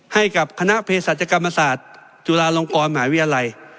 ให้กับคณะเพศศาจกรรมศาสตร์จุฬาลงกรมหาวิทยาลัย